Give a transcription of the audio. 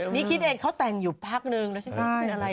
นี่คิดเองเขาแต่งอยู่พักนึงแล้วใช่ไหม